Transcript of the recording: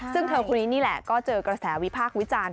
ซึ่งเธอคนนี้นี่แหละก็เจอกระแสวิพากษ์วิจารณ์